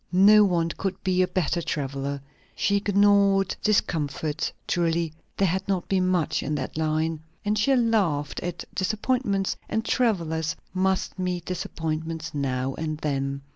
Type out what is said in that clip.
No one could be a better traveller. She ignored discomforts (truly there had not been much in that line), and she laughed at disappointments; and travellers must meet disappointments now and then.